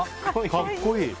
格好いい！